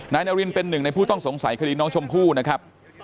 นายนารินเป็นหนึ่งในผู้ต้องสงสัยคดีน้องชมพู่นะครับ